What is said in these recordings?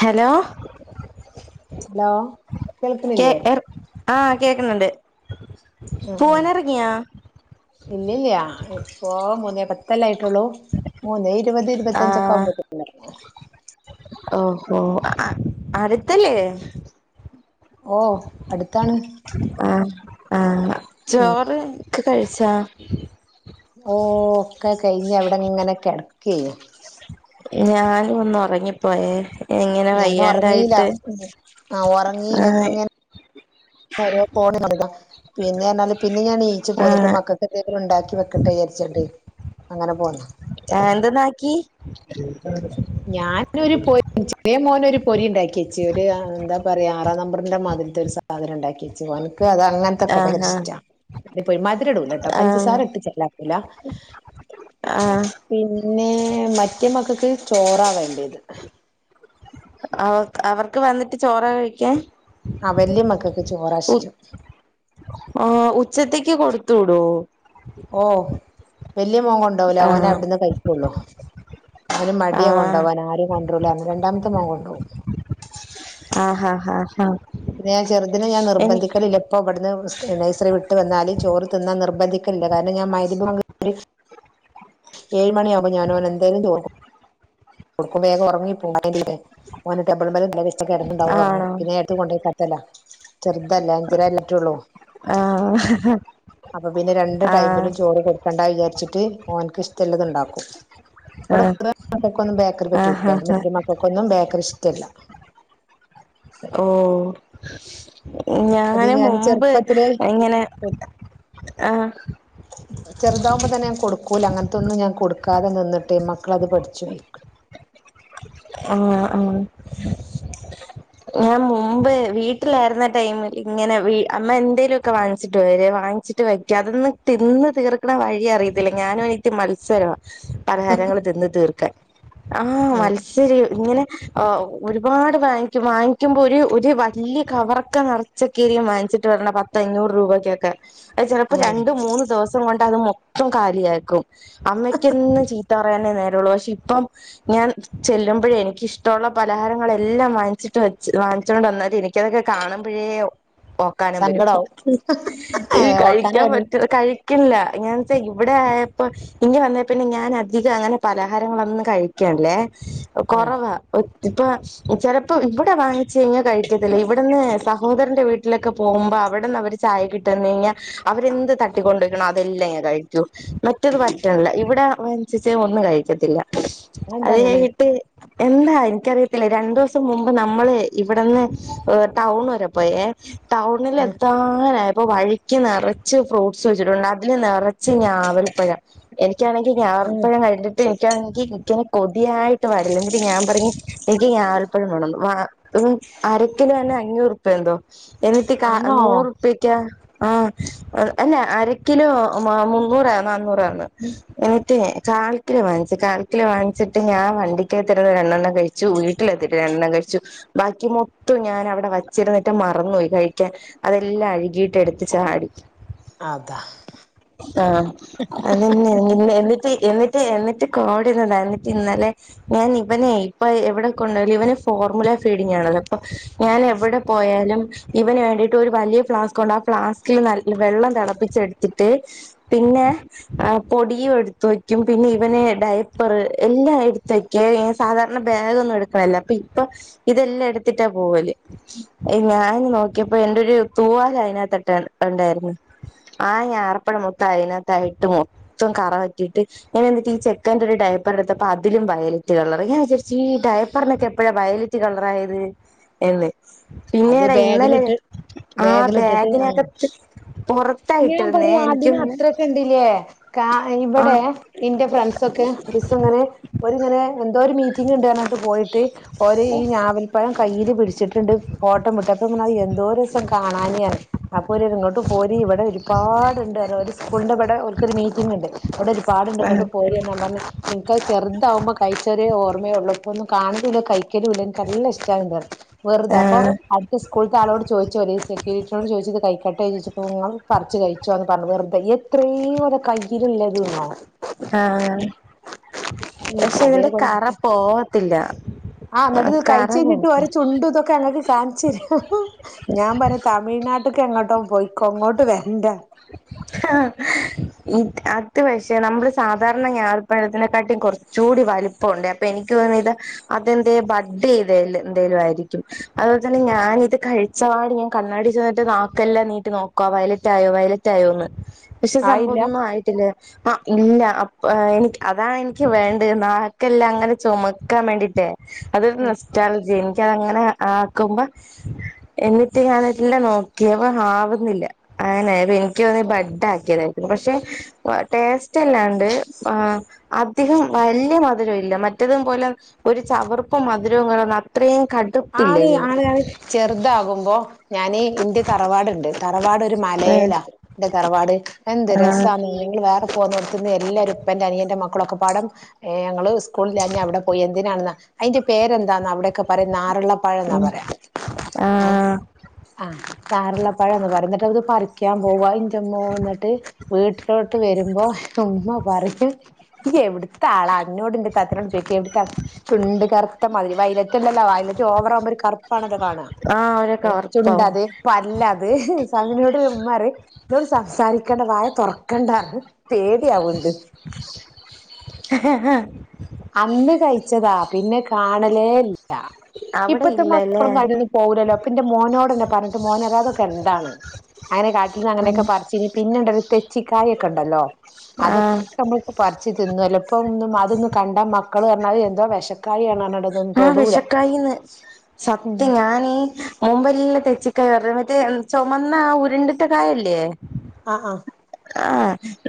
Hello hello കേൾക്കുന്നില്ലേ ആ കേക്കുന്നുണ്ട്. ആ ആ പൂവാനെറങ്ങിയാ ഇല്ലില്ല ഇപ്പോ [unintelligible] ത്തല്ലായിട്ടുള്ളൂ മൂന്നേ ഇരുപത് ഇരുപത്തിയഞ്ചൊക്കെ ആവുമ്പോയ ഓ ഹോ അടുത്തല്ലേ ഓ അടുത്താണ്. ആഹ ഉം ചോറ് ഒക്കെ കഴിച്ചാ ഓ ഒക്കെ കഴിഞ്ഞ അവിടെ ഇങ്ങനെ കിടക്കുവേനി ഞാനു ഒന്നൊറങ്ങിപ്പോയേ ഞാനൊറങ്ങീല ആ ഉറങ്ങീല ആഹ് ഇങ്ങനെ ആരോ പോണ കണ്ടതാ പിന്നെ എന്നാല് പിന്നെ ഞാൻ നീച്ച് പോന്നിട്ട് ആഹ് മക്കൾക്ക് എന്തേലൊക്കെ ഉണ്ടാക്കി വെക്കട്ടെ വിചാരിച്ചണ്ട് അങ്ങനെ പോന്ന എന്തെന്നാക്കി ഞാനൊരു പൊരി ചെറിയമോന് ഒരു പൊരി ഉണ്ടാക്കിയച് ഒരു എന്താ പറയാ ആറാനമ്പർ ന്റെ മാതിരത്തെ ഒരു സാധനം ഉണ്ടാക്കിവെച്ചു ഓനിക്ക് അത് അങ്ങനത്തൊക്കെ ആഹ് ഭയങ്കരിഷ്ടമാണ്. അത പോയി മധുരടൂലട്ടോ ആഹ് പഞ്ചസാര ഇട്ട് ചെല്ലാക്കൂല ആഹ് ആഹ് പിന്നെ മറ്റേ മക്കക്ക് ചോറാ വേണ്ടിയത് അവർക്ക് വന്നിട്ട് ചോറ കഴിക്കാൻ ആ വല്യ മക്കൊക്കെ ചോറാ ഇഷ്ടം ഓ ഉച്ചത്തേക്ക് കൊടുത്തുവിടോ വലിയ മോങ്കണ്ടോവൂല ഓനവിടുന്ന് കഴിക്കുള്ളു ഓന് മടിയ ആഹ് കൊണ്ടുപോവാൻ ആരും കൊണ്ടരൂല രണ്ടാമത്തെ മോൻ കൊണ്ടു പോകും ആഹഹ ആഹ് ആഹ പിന്നെഞാൻ ചെറുതിനെ ഞാൻ നിർബന്ധിക്കലില്ല ഇപ്പോ ഇവിടുന്ന് നഴസറി വിട്ട് വന്നാല് ചോറ് തിന്നാ നിർബന്ധിക്ക ല്ല കാരണം ഞാൻ മഗ്‌രിബ് ബാങ്ക്‌ ഏഴ് മണിയാവുമ്പോ ഞാന് ഓനന്തായാലും ചോറ് കൊടുക്കും കൊടുക്കും, വേഗം ഉറങ്ങിപോവും ടബിളിലക്കെ തലവെച്ചു‌കിടന്നുണ്ടാവും ഉറങ്ങും, ആണോ പിന്നെ ഞാൻ ണ്ടോയിക്കെടത്തല ചെറുതല്ലേ അഞ്ചരല്ലേ ആയിട്ടുള്ളൂ ഹ് ഹ് അപ്പൊ പിന്നെ രണ്ട് ടൈമിലും ചോറ് കൊടുക്കേണ്ട വിചാരിച്ചിട്ട് ഓൻക്ക് ഇഷ്ടമുള്ളത്ണ്ടാക്കും. ഇവിടെ ആഹ് പൊതുവെ മക്കൾക്കൊന്നും ബേക്കറി ആഹ് പറ്റൂല എന്റെ ആഹ് മറ്റേ മക്കൾക്കൊന്നും ബേക്കറി ഇഷ്ടല്ല. ഓ അത് ഞാന് ഞാൻ മുമ്പ് ചെറുപ്പത്തില് ഇങ്ങനെ ആഹ ചെറുതാകുമ്പോ തന്നെ ഞാൻ കൊടുക്കൂല അങ്ങനത്തൊന്നും ഞാൻ കൊടുക്കാതെ നിന്നിട്ട് മക്കള അത് പഠിച്ചുപോയി ആ ആ ഞാൻ മുമ്പ് വീട്ടിലായിരുന്ന ടൈമിൽ ഇങ്ങനെ വി അമ്മ എന്തേലൊക്കെ വാങ്ങിച്ചിട്ട് വര് [unintelligible] വാങ്ങി വച്ചിട്ട് വയ്ക്ക അതൊന്ന് തിന്ന് തീർക്കണ വഴി അറിയത്തില്ല ഞാനും എനിക്ക് മത്സരവ പലഹാരങ്ങൾ തിന്ന് തീർക്കാൻ ആ ആഹ് മത്സര ഇങ്ങനെ ആ ഒരുപാട് വാങ്ങിക്കും വാങ്ങിക്കുമ്പോ ഒരു ഒരു വലിയ കവർക്കെ നിറച്ച [unintelligible] [unintelligible] പത്തഞ്ഞൂറ് രൂപകൊക്കെ അത് ചിലപ്പോ ആഹ് രണ്ട് മൂന്ന് ദിവസ [unintelligible] കൊണ്ട് അത് മൊത്തം കാലിയാക്കും അമ്മയ്ക്കി ന്ന് ചീത്ത പറയാനേ നേരേള്ളൂ പക്ഷെ ഇപ്പം ഞാൻ ചെല്ലുമ്പോഴേ എനക്കിഷ്ട്ടൊള്ള പലഹാരങ്ങളെല്ലാം വാങ്ങിച്ചിട്ട് വെച്ച് വാങ്ങിച്ചോണ്ട് വന്ന്ത് എനിക്കതൊക്കെ കാണുമ്പോഴ [unintelligible] ഓക്കാനം വെരും സങ്കടാവും ഈ ഏഹ് ഓക്കാന കഴിക്കാൻ അത് പറ്റു [unintelligible] കഴി ഇല്ല [unintelligible] ഇവിടെ ആയപ്പോ ഇങ്ങ് വന്നേ പിന്നെ ഞാൻ അധികം അങ്ങനെ പലഹാരങ്ങളൊന്നും കഴിക്കല്ലേ. ഉം കൊറവ ഇപ്പൊ ചെ ഇപ്പൊ ഇവിടെ വാങ്ങിച്ചു കഴിഞ്ഞ കഴിക്കത്തില്ല ഇവിടുന്ന് സഹോദരന്റെ വീ വീട്ടിലൊക്കെ പോകുമ്പോ അവിടന്നവര് ചായൊക്കെ ഇട്ട്തന്നയ്ഞ്ഞ അവരെന്ത് തട്ടിക്കൊണ്ട് വർണോ അതെല്ലാം ഞാൻ കഴിച്ചു മറ്റത് പറ്റണല്ല ഇവിട [unintelligible] ഒന്നും കഴിക്കാതില്ല. അത് എന്താ അങ്ങനെ? എന്താ എനിക്കറിയത്തില്ലേ രണ്ടു ദിവസം മുമ്പ് നമ്മള് ഇവിടുന്ന് ടൗൺ വരെ പോയേ ടൗണിൽ ഉം എന്തനായപ്പോ വഴിക്ക് നിറച്ച് ഫ്രൂട്ട്സ് വെച്ചിട്ടുണ്ട് അതില് നിറ ച്ച് ഞാവൽപ്പഴം എനിക്കാണെങ്കിൽ ആഹ് ഞാവൽപ്പഴം കണ്ടിട്ട് എനിക്കാണെങ്കിൽ എനിക്കങ്ങ് കൊതിയ [unintelligible] എന്നി്ട്ട് ഞാൻ പറിഞ്ഞു എനിക്ക് ഞാവൽ [unintelligible] അ ഇമ്മം അരക്കിലോന്ന് അഞ്ഞൂറുപ്പിയ എന്തോ എന്നിട്ട് കാ ആണോ നൂറുപ്യക്യാ ആ അല്ല ആ അരക്കിലോ മുന്നൂറോ നന്നൂറോ ആണ് എന്നിട്ട് കാൽക്കിലോ വാങ്ങിച്ചു കാൽകിലോ വാങ്ങിച്ചിട്ട് ഞാൻ [unintelligible] കഴിച്ചു വീട്ടിലെത്തിട്ട് ര ണ്ടെണ്ണം കഴിച്ചു ബാക്കി മൊത്തം ഞൻവിടെ വച്ചിരിന്നിട്ടും മറന്നുപോയി കഴിക്കാൻ അതെല്ലാം അഴുകിയിട്ട് എടുത്ത് ചാടി. അതാ ആ അത് [unintelligible] എന്നിട്ട് എന്നിട്ട് കോടു [unintelligible] എന്നിട്ട് ഇന്നലെ ഞാൻ ഇവനെ ഇപ്പൊ എവിടെ കൊണ്ടലും ഇവന് ഫോർമുല ഫീഡിംഗ് ആണല്ലോ. പ ഞാൻ എവിടെ പോയാലും ഇവന് വേണ്ടിട്ട് ഒരു വലിയ ഫ്ലാസ്ക് കൊണ്ട് ആ ഫ്ലാസ്കിൽ [unintelligible] വെള്ളം തിളപ്പിച്ചെടുത്തിട്ട് പി പിന്നെ പൊടിയും എടുത്ത വയ്ക്കും പിന്നെ ഇവനെ ഡയപ്പർ എല്ലാം എ [unintelligible] സാധാരണ ബാഗൊന്നും എടുക്കല്ല പി ഇപോ ഇതെല്ലാം ഇടത്ട്ടെ പോവൽ. ഞാൻ നോക്കിയപ്പോ എന്റെ ഒരു തൂവാല അതിനകത്ത്ട്ട് ഇ ണ്ടായിരുന്നു ആ ഞാറപ്പഴം മൊത്ത അതിനകത്തായിട്ട് മൊത്തം കറപറ്റീട്ട് ഞാൻ എന്നിട്ട് ഈ ചെക്കന്റെ ഒരു ഡയപ്പർടുത്തപ്പോ അ ഇതിലുംവയലറ്റ് കളർ ഞാൻ വിചാരിച്ച് ഈ ടയപ്പറിനൊക്കെ എപ്പോഴാ വയലറ്റ് കളർ ആയത് എന്ന്. അത് പിന്നീടാ ഇന്നലെ ബാഗിലിട്ട് ആ ബാഗിലിട്ടിട്ട് ആം. ബാഗിനകത്ത് ഞാൻ പുറത്തായിട്ടിരുന്നേ പറയാ എനിക്ക് അതിന് പിന്നെ അത്രൊക്കെ ഇണ്ട്ലെ കാ [unintelligible] ഇവിടെ ആഹ് ഇന്റെ ഫ്രണ്ട്സൊ ഒക്കെ ഒരീസം ഇങ്ങനെ ഓര് ഇങ്ങനെ എന്തോ ഒരു മീറ്റിംഗ് ഇണ്ട് പറഞ്കാണ്ട് പോയി [unintelligible] ഓര് ഈ ഞാവൽപ്പഴം കയ്യില് പിടിച്ചിട്ടുണ്ട്. [unintelligible] എന്തൊരു രേസം കാണാന് അപ്പം ഇങ്ങട്ട് പോരി ഇവിടെ ഒരുപാട്ണ്ട് അത് ഒര് സ്കൂളിന്റെ ഇവടെ ഓൽ ക്കൊരു മീറ്റിംഗ് ഇണ്ട്. ഇവടെ ഒരുപാടുണ്ട് ആഹ് ഇങ്ങോട്ട് പോരിം ഞാൻ പറഞ്ഞു ഇൻക്ക് അത് ചെറുതവുമ്പോ കഴിച്ചൊരു ഓർ മ്മള്ളൂ ഇതൊന്നും കാണലൂല്ല കഴിക്കാലോല്ല ഇൻക് നല്ല ഇഷ്ട്ടത് വെറുതെ അപ്പൊ ആഹ് സ്കൂൾതെ ആള്ളോട്ചോദിച്ചു ഓല് സെക്യൂരിറ്റിനോട്‌ ചോദിച്ചു ഇത് കഴിക്കട്ടെ ചോദിച്ചപ്പോ പറിച് കഴിച്ചോന്ന് പറഞ്ഞു വെറുതെ എ എത്രേ ഓലെ കയ്യിൽ ഇല്ലദ്ന്നോ. ആ പക്ഷെ ഇതിന്റെ അതേപോലെ കറ പോവത്തില്ല. ആ ന്നട്ട്ത് കറ കഴിച്ച് കഴിഞ്ഞിട്ട് പോവത്തി ഓരേ ചുണ്ടും ഇതൊക്കെ ഞങ്ങൾക്ക് കാണി ചര ഞാൻ പറഞ് തമിഴ്നാട്ടക്ക് എങ്ങോട്ടോ പോയിക്കോ ഇങ്ങോട്ട് വരണ്ട. ആ അത് പക്ഷേ നമ്മള് സാധാരണ ഞാവൽപായതിനെ കാട്ടിൽ കുറച്ചുകൂടി വലിപ്പംണ്ട് അപ്പൊ എനിക്ക് തോന്നി ത് അതെന്ത ബഡ് എന്തെലുംയിരിക്കും അപോലെ തന്നെ ഞാന ഇത് കഴിച്ചവാട് ഞാൻ കണ്ണാടി ചെന്നിട്ട് നാക്കല്ലാം നീട്ട് നോക്കോ വയലറ്റ് ആയോ വയലറ്റ് റ്റായോന്ന് പക്ഷെ ആയില്ല സംഭവന്നും ആയിട്ടില്ലേ ആ ഇല്ല എനിക്ക് അതാണ് എനിക്ക് വേണ്ടത് നക്കെല്ലാം അങ്ങനെ ചുമക്കാൻ വേണ്ടിട്ടേ അതൊരു ഉം നൊസ്റ്റാൾജിയ അത അങ്ങനെ ആക്കുമ്പോ എന്നിട്ട് ഞാനല്ല നോക്കിയവ ആവുന്നില്ല ആനെ പി ന്ന ബഡ് ആക്കിയതായിരിക്കരുന്നു പക്ഷെ ടേസ്റ്റ് അല്ലാണ്ട് അധികം വലിയ മധുരവും ഇല്ല മറ്റത പോലെ ഒരു ചവർപ്പ മധുരവും ക അത്രയും കടുപ്പില്ല ആണ് ഇതിന് ആണ് ചെറുതാകുമ്പോ ഞാന് ഇന്റെ തറവാടുണ്ട് തറവാട് ഏഹ് മലയില എന്റെ തറവാട് എന്ത് രസ ആഹ് നിങ്ങ വേറെ പോക നിർത്തുന്ന എല്ലാരും ഇപ്പന്റെ അനിയന്റെ മക്കളൊെ പാടം ഞങ്ങള് സ്കൂളിൽഞ്ഞ അവിടെ പോയി എന്തിനാണെന്ന അതിന്റെ പേരെന്താന്ന അവിടെ നാരള്ളപ്പഴ എന്നാ ഉം പറയാം ഏ ആഹ് ആ നാരള്ളപ്പഴന്ന് പറിട്ട ത് പറിക്കാൻ പോവാ ഇന്റമ്മോ ന്നിട്ട് വീട്ടിലോട്ട് വരുമ്പോ ഉമ്മ പറഞ്ഞു എവിടുത്ത ആളാ അ എന്നോട് എന്റെ തത്തിനോട് ചോദ ത്താ ചുണ്ട് കറുത്ത മതിരി വയലറ്റല്ല വയലറ്റ് ഓവർ ഓറ പ്പണത കാണ ആഹ് ഒരു ചുണ്ട കവർപ്പാവും അത് പല്ലാത് [unintelligible] ഇമ്മറി എന്നോട് സംസാരിക്കേണ്ട വായ തുറക്കണ്ട പേടിയ ആവണ്ട് അന്ന് കഴിച്ചതാ പിന്നെ കാണലേ ഇല്ല അവിടെ ഇല്ലല്ലേ ഇപ്പത്തെമക്കൾ അതിന്നോന്നും പോകിലല്ലോ പിന്നെ മോനോടന്നെ പറഞ്ഞിട്ട് മോൻ അരാതൊക്കെ എന്താണ് അങ്ങനെ കാട്ടിൽ നിന്ന് ഉം അങ്ങനെയൊക്കെ പറിച്ചിനി പിന്നെണ്ടരു തെച്ചിക്കായ ഒക്കെ ഉണ്ടല്ലോ അതൊക്കെ ആഹ് നമ്മൾക്ക് പറിച്ചു തിന്നു അല്ലപ്പോ [unintelligible] അതൊന്ന മക്കൾ പറഞ്ഞാൽ എന്തോ വിശക്കായാണ് ആ വിഷക്കായന്ന് ഉം സത്യം ഞാനീ മുമ്പല്ല തെച്ചിക്കായ വഞ്ഞറ്റ ട്ട് ചുമന്ന ഉരുണ്ടിട്ട കായല്ലേ ആ ആ ആ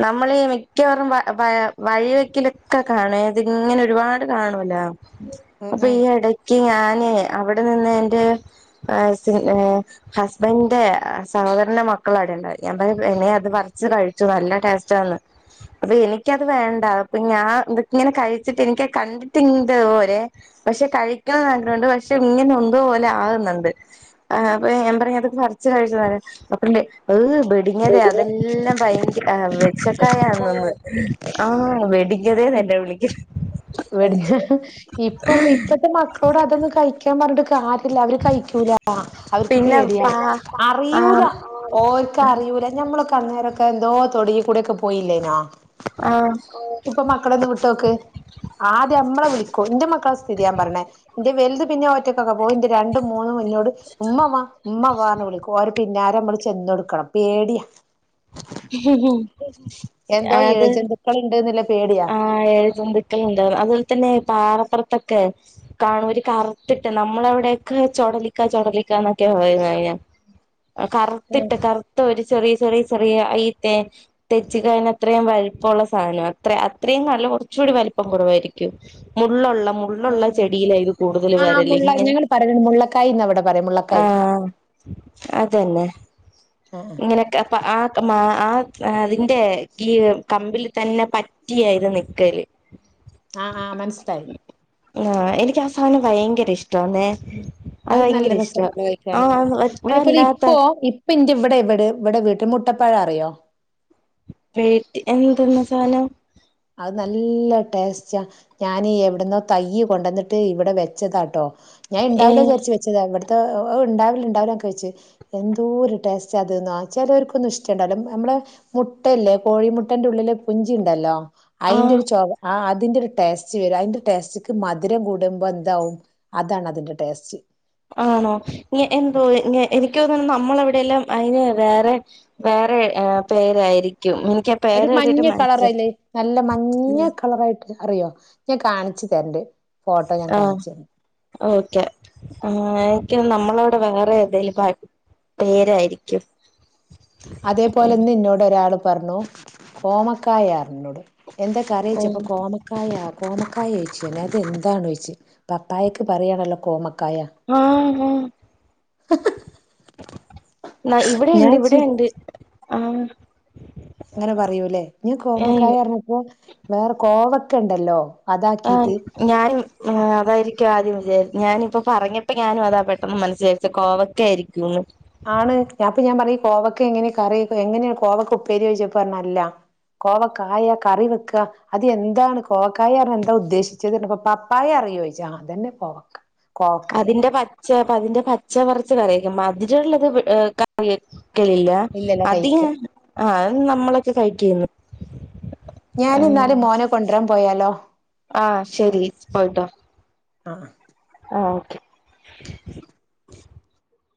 നമ്മളീ മിക്കവാറും വ വഴിവക്കിലൊക്കെ കാണ അതിങ്ങനെ ഒരുപാട് കാണുവല്ലോ ഉം അപ്പൊ ഉം ഈ ഇടക്ക് ഞാൻ അവിടെ നിന്ന് എന്റെ എ സ് ഹസ്ബൻന്റെ സഹോദരന്റെ മ മക്കള അടണ്ട ഞാൻപറഞ്ഞു ഇത് പറിച്ചു കഴിച്ചു നല്ല ടേസ്റ്റ് ആന്ന് അപ്പൊ എനിക്കത് വേണ്ട അപ്പൊ ഞാൻ ഇതക്ക ഇങ്ങനെ കഴിച്ചിട്ട് എനക്ക് കണ്ടിട്ട് ഇന്ത് പോരെ പക്ഷെ കഴിക്കണം ആഗ്രഹമുണ്ട് പക്ഷെ ഇങ്ങനെ ഒതുപോലെ ആകുന്നുണ്ട് അപ്പൊ ഞാൻ പറ ച്ചി കഴിച്ചത അപ്പേ [unintelligible] വെടിഞ്ഞ അതെല്ല എല്ലാം ഭയങ്കര വെച്ചക്കായാന്നൊന്ന് കായ ആ വെടിങ്ങതേന്നന്നാ വിളിക്ക ബെഡ് ഇപ്പം ഇപ്പത്തെ മക്കളോട് അതൊന്ന കഴിക്കാൻ പറഞ്ഞിട്ട ആരെല്ലാവരും കഴിക്ക അവർക്ക് പിന്നെ പേടിയ പാ അറൂല ആഹ് ഓക്ക അറൂല നഞമ്മളൊക്കെ അന്നേര എന്തോ തൊടികൂടെക്കെ പോയില്ലേയ്നോ ആഹ് ഇപ്പം മക്കളൊന്ന് വിട്ടോക്ക് ആദ്യം നമ്മള വിളിക്കോ എന്റെ മക്കളെ സ്ഥിതി ഞാ പറഞ്ഞണേ എന്റെ വലു പിന്നെ ഒറ്റക്കെ ന്റെ രണ്ടും മൂന്നും മുന്നോട് ഉമ്മ വ ഉമ്മ വ വിളിക്കും ഓര് പിന്നലെ നമ്മള് ചെന്നൊടുക്കണം പേടിയ എന്തോ അത് ഇഴജന്തുക്കൾ ഇണ്ട്ന്നുള്ള പേടിയാ ആ ഇഴാജന്തുക്കൾ അതുപോലെ തന്നെ പാറപ്പുറത്തൊക്കെ കാണുംഒരു കറുത്തിട്ട് നമ്മളവിടെയൊക്കെ ചൊടല ചടലിക്കാന്നൊക്കെ കഴിഞ്ഞ ആഹ് കറുത്തിട്ട് കറുത്ത ഒരു ചെറിയ ചെറിയ ചെറിയ ഈ തെ തെച്ച കയ്ന് അത്രയും വലുപ്പുള്ള സാധനം അത്ര അത്രയും നല്ല കുറച്ചുകൂടി വലിപ്പം കുറവായിരിക്കും മുള്ളുള്ള മുള്ളുള്ള ആഹ് ചെടിയില ഇത് കൂടുതൽ ആഹ് ആ വരല്ല മുള്ള ഇങ്ങനെ ഞങ്ങള് പറയണത് മുള്ളക്കായിന്നാ ഇവിടെ പറയാ ആ മുള്ളക്കായി അതന്നെ. ആഹ് ഇങ്ങനയൊക്കെ അപ്പ ആക്ക് മാ. ആ അതിന്റെ ഈ കമ്പിൽ തന്നെ പറ്റിയായിരുന്നു നിക്കല്. ആ ആ മനസ്സിലായി. ആ എനിക്ക് ആ സാനം ഭയങ്കര ഇഷ്ടമാന്നെ. അത് നല്ല രസമാണ് ഉപയോഗിക്കാന് അതേപോലെ വല്ലാത്ത ഇപ്പോ ഇപ്പ ഇന്റെ ഇവിടെ ഇവിടെ ഇവിടെ വേ മുട്ടപ്പഴം അറിയോ? വേട്ടി എന്തെന്ന് സാധനം. അത് നല്ല ടേസ്റ്റാ, ഞാനീ എവിടന്നോ തൈയ് കൊണ്ടന്നിട്ട് ഇവിടെ വെച്ചതാട്ടോ. ഞാൻ എണ്ടാവില്ലേ ഏഹ് വിചാരിച്ച് വെച്ചതാവിടെ. ഉണ്ടാവില്ല ഉണ്ടാവില്ലൊക്കെ വെച്ച് എന്തോര് ടേസ്റ്റ് അതന്നാ ചിലർക്കൊന്നും ഇഷ്ടം ഉണ്ടാവില്ല നമ്മള്- മുട്ടല്ലേ കോഴിമുട്ടന്റെ ഉള്ളില് പുഞ്ചി ഉണ്ടല്ലോ അയിന്റെ ആഹ് ഒരു ചൊവ്വ അതിന്റെ ഒരു ടേസ്റ്റ് വരും അതിന്റെ ടേസ്റ്റ് മധുരം കൂടുമ്പോ എന്താവും അതാണ് അതിന്റെ ടേസ്റ്റ്. ആണോ ഇ എന്തോ എ [unintelligible] എനിക്കു തോന്നണ് നമ്മളവിടെയെല്ലാം അയിന് വേറെ വേറെ പേരായിരിക്കും. എനിക്ക് ആ ഒരു പേര് മഞ്ഞ കേട്ടിട്ട് മനസ്സില കളറല്ലേ നല്ല മഞ്ഞ കളറായിട്ട് അറിയോ ഞാൻ കാണി ച്ചു തരണ്ട്. ഫോട്ടോ ഞാൻ ആ കാണിച്ചു തരാം ഓക്കെ എനിക്ക് നമ്മളോട് അ വേറെ ഏതേലും പേരായിരിക്കും. അതേപോലെന്ന ഇന്നോട് ഒരാള് പറഞ്ഞു കോമക്കായാറിനോട്. എന്താ കറിചോയിപ്പ ഓഹ് കോമക്കായ. കോമക്കായ ചോദിച്ച്. അത് എന്താണ് ചോദിച്ച് പപ്പായക്ക് പറയയാണല്ലോ കോമ ആ ഹ. ന ഇവിടെണ്ട് ഞാൻ ചി ഇവിടെണ്ട് ആ. അങ്ങനെ പറയൂല്ലേ, ഞാൻ കോമക്കായ ഏഹ് പറിഞ്ഞപ്പോ വേറെ കോവക്ക ഉണ്ടല്ലോ. ആ അതാക്കീട്ട് ഞാനും അതായിരിക്കും ആദ്യം ഞാനിപ്പോ പറഞ്ഞപ്പോ ഞാനും അതാ പെട്ടെന്ന് മനസ്സി വിചാരിച്ച കോവക്ക ആയിരിക്കുന്ന്. ആണ് ഞാപ്പ ഞാൻ പറ കോവക്ക എങ്ങനെ കറി എങ്ങനെയ കോവക്ക ഉപ്പേരി ചോയിച്ചപ്പ പറഞ്ഞല്ല. കോവക്കായ കറി വെക്ക അത് എന്താണ് കോവക്കായ എന്താ ഉദ്ദേശിച്ചത് പ്പ പപ്പായ ചോദിച്ച് ആ അതന്നെ കോവക്ക. കോവക്കായ അതിന്റെ പച്ച അപ്പ അതിന്റെ പച്ച കുറച്ച് കറിവെക്കും മതിരുള്ളത് ഇവിടെ കറി ക്കലില്ല ഇല്ലല്ല അതി കഴിക്ക ആ അ നമ്മളൊക്കെ കഴിക്കന്ന്. ഞാനിന്നാല് മോനെ കൊണ്ടുവരാൻ പോയാലോ. ആ ശരി പോയിട്ട് വാ. ആ ഓക്കെ.